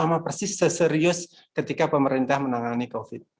itu adalah proses yang sangat serius ketika pemerintah menangani covid